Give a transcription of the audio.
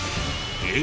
えっ？